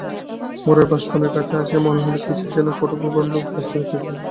মোড়ের বাঁশবনের কাছে আসিয়া মনে হইল কিসের যেন কটুগন্ধ বাহির হইতেছে।